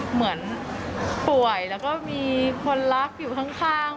เหมือนป่วยแล้วก็มีคนรักอยู่ข้าง